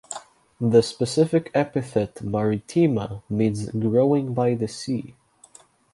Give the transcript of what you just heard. The specific epithet ("maritima") means "growing by the sea".